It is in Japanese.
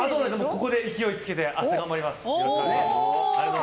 ここで勢いつけて明日から頑張ります。